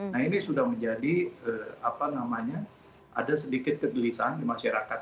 nah ini sudah menjadi apa namanya ada sedikit kegelisahan di masyarakat